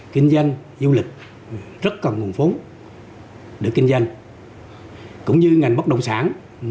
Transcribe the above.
kinh doanh du lịch rất cần nguồn vốn để kinh doanh cũng như ngành bất động sản